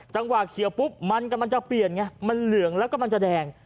จังหวะเขียวปุ๊บมันกำลังจะเปลี่ยนไงมันเหลืองแล้วก็มันจะแดง